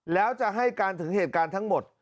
แล้วจะให้การถึงเหตุการณ์ทั้งหมด